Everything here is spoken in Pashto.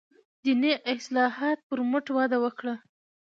دیني اصلاحاتو پر مټ وده وکړه.